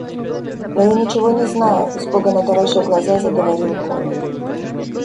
– Но я ничего не знаю, – испуганно тараща глаза, заговорил Коля.